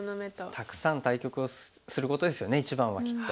たくさん対局をすることですよね一番はきっと。